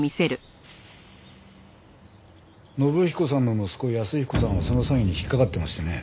信彦さんの息子安彦さんもその詐欺に引っかかってましてね